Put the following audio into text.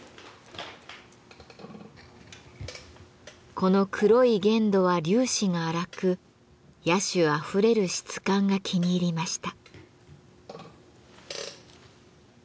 この黒い原土は粒子が粗く野趣あふれる質感が気に入りました。